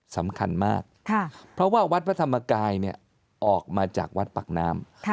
สำคัญมากเพราะว่าวัดพระธรรมกายออกมาจากวัดปากน้ำ